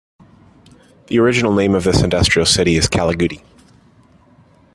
The original name of this industrial city is Kallagudi.